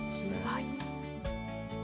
はい。